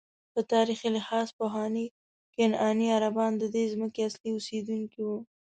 په تاریخي لحاظ پخواني کنعاني عربان ددې ځمکې اصلي اوسېدونکي وو.